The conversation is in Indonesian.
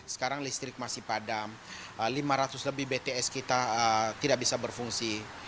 sekarang listrik masih padam lima ratus lebih bts kita tidak bisa berfungsi